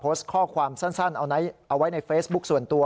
โพสต์ข้อความสั้นเอาไว้ในเฟซบุ๊คส่วนตัว